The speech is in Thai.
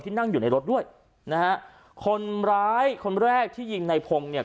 นั่งอยู่ในรถด้วยนะฮะคนร้ายคนแรกที่ยิงในพงศ์เนี่ย